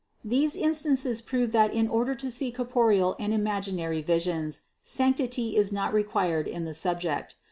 These instances prove that in order to see corporeal and imaginary visions sanctity is not required in the subject.